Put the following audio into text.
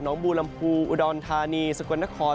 น้องบูรรมภูอุดรธานีสกวรนคร